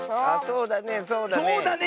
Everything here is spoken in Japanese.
そうだねそうだね。